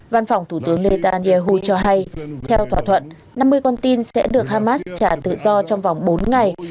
văn phòng thủ tướng netanyahu cho hay theo thỏa thuận năm mươi con tin sẽ được hamas trả tự do trong vòng bốn ngày